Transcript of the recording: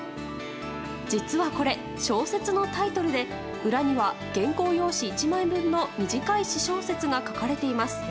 実はこれ、小説のタイトルで裏には原稿用紙１枚分の短い私小説が書かれています。